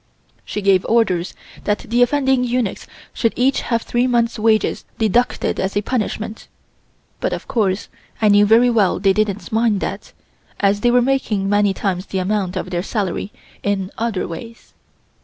She gave orders that the offending eunuchs should each have three months' wages deducted as a punishment, but of course I knew very well they didn't mind that, as they were making many times the amount of their salary in other ways.